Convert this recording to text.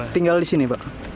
tinggal di sini pak